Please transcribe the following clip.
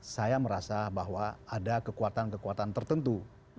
saya merasa bahwa ada kekuatan kekuatan tertentu